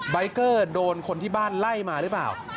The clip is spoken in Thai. เกอร์โดนคนที่บ้านไล่มาหรือเปล่า